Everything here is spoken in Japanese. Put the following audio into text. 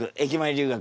留学。